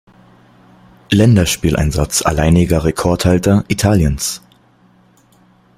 Länderspieleinsatz alleiniger Rekordhalter Italiens.